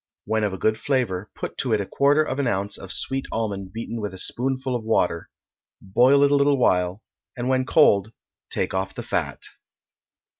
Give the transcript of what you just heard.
When of a good flavor, put to it a quarter of an ounce of sweet almond beaten with a spoonful of water; boil it a little while, and when cold take off the fat.